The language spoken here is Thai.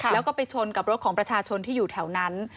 แล้วก็ไปชนกับรถของประชาชนที่อยู่แถวนั้น